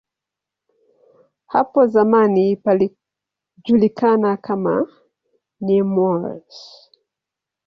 Hapo zamani palijulikana kama "Nemours".